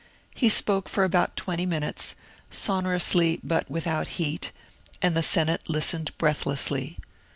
He spoke for about twenty minutes, sonorously but without heat, and the Senate listened breathlessly.